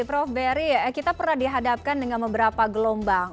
prof berry kita pernah dihadapkan dengan beberapa gelombang